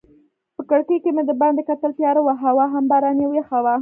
په کړکۍ کې مې دباندې کتل، تیاره وه هوا هم باراني او یخه وه.